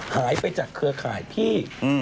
หายไปจากเครือข่ายพี่